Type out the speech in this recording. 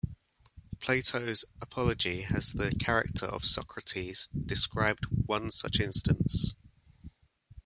Plato's "Apology" has the character of Socrates describe one such instance.